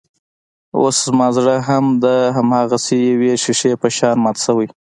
اوس زما زړه هم د همداسې يوې ښيښې په شان مات شوی.